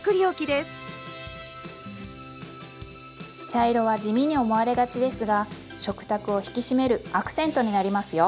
茶色は地味に思われがちですが食卓を引き締めるアクセントになりますよ。